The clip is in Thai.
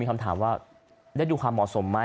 ก็เจจะหรือกว่ามีคำถามว่าดูความเหมาะสมไหม